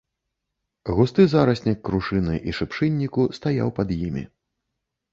Густы зараснік крушыны і шыпшынніку стаяў пад імі.